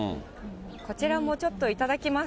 こちらもちょっと頂きます。